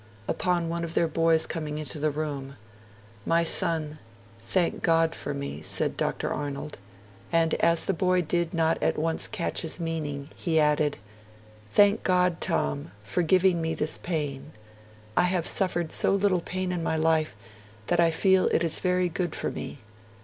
Upon one of their boys coming into the room, 'My son, thank God for me,' said Dr. Arnold; and as the boy did not at once catch his meaning, he added, 'Thank God, Tom, for giving me this pain; I have suffered so little pain in my life that I feel it is very good for me.